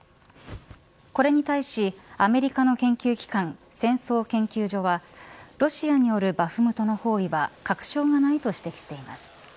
これに対し、アメリカの研究機関戦争研究所はロシアによるバフムトの行為は確証がないと指摘しています。